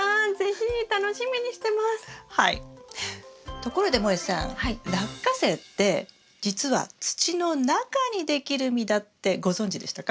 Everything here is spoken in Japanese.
ところでもえさんラッカセイってじつは土の中にできる実だってご存じでしたか？